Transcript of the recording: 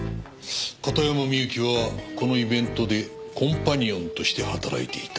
片山みゆきはこのイベントでコンパニオンとして働いていた。